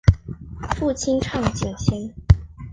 父亲畅敬先。